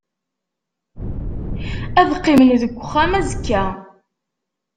Ad qqimen deg uxxam azekka.